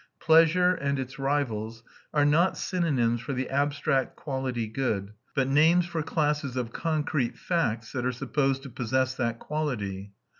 Pleasure, and its rivals, are not synonyms for the abstract quality "good," but names for classes of concrete facts that are supposed to possess that quality.